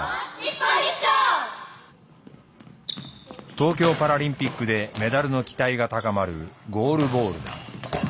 東京パラリンピックでメダルの期待が高まるゴールボールだ。